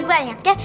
begitu banyak ya